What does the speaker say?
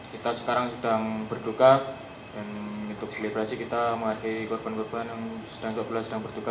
kita sekarang sedang berduka dan untuk selebrasi kita mengerti korban korban yang sedang berduka